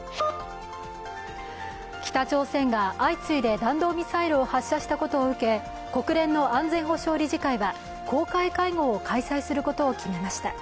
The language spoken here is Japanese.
北朝鮮が相次いで弾道ミサイルを発射したことを受け、国連の安全保障理事会は、公開会合を開催することを決めました。